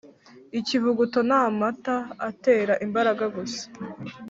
Ikivuguto n’amata atera imbaraga gusa